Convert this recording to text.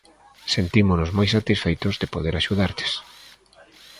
Sentímonos moi satisfeitos de poder axudarlles.